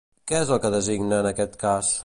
Què és el que designa en aquest cas?